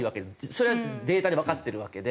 それはデータでわかってるわけで。